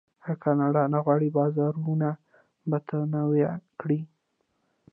آیا کاناډا نه غواړي بازارونه متنوع کړي؟